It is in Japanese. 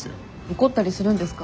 怒ったりするんですか？